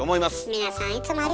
皆さんいつもありがと！